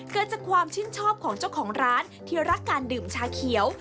เกิดจากความชื่นชอบของเจ้าของร้านที่รักการดื่มชาเขียว